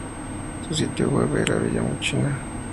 Su sitio Web era VillaBouchina.nl.